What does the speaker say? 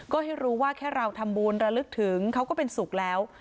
ก็ให้รู้ว่าแค่เราทำบุญระลึกถึงเขาก็เป็นสุขแล้ว